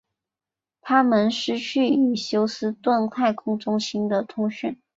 他们失去与休斯顿太空中心的通讯。